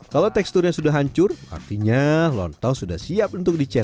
kalau teksturnya sudah hancur artinya lontong sudah siap untuk dicek